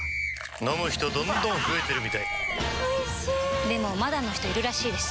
飲む人どんどん増えてるみたいおいしでもまだの人いるらしいですよ